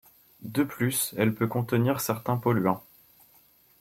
De plus, elle peut contenir certains polluants.